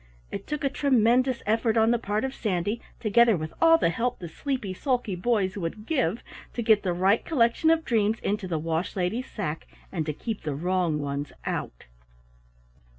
It took a tremendous effort on the part of Sandy, together with all the help the sleepy sulky boys would give, to get the right collection of dreams into the Wash Lady's sack, and to keep the wrong ones out.